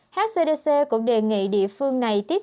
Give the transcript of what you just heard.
hcdc cũng đề nghị địa phương này tiếp tục